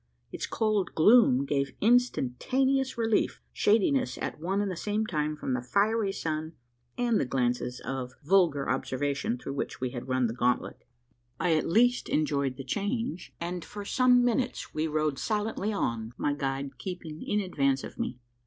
Its cold gloom gave instantaneous relief shading us at one and the same time from the fiery sun, and the glances of vulgar observation through which we had run the gauntlet. I at least enjoyed the change; and for some minutes we rode silently on, my guide keeping in advance of me.